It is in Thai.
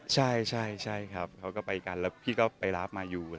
แต่ก็เห็นหนุ่มมายูบอกแล้วว่าพี่ก็ไปรับมายู